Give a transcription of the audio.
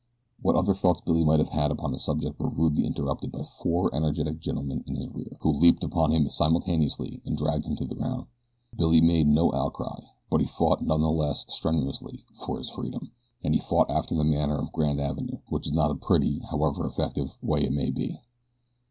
What other thoughts Billy might have had upon the subject were rudely interrupted by four energetic gentlemen in his rear, who leaped upon him simultaneously and dragged him to the ground. Billy made no outcry; but he fought none the less strenuously for his freedom, and he fought after the manner of Grand Avenue, which is not a pretty, however effective, way it may be.